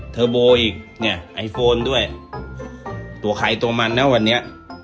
เทอร์โบอีกเนี่ยไอโฟนด้วยตัวใครตัวมันนะวันนี้